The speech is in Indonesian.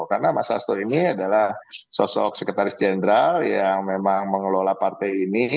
karena mas asto ini adalah sosok sekretaris jenderal yang memang mengelola partai